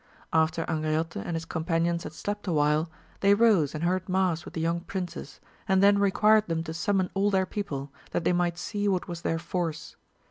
After Angriote and his companions had slept awhile, they rose and heard mass with the young princes, and then required them to summon all their people, that they might see what was their force.